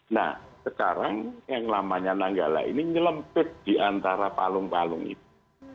nah sekarang yang namanya nanggala ini nyelempit di antara palung palung itu